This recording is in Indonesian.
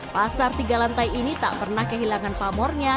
pasar tiga lantai ini tak pernah kehilangan pamornya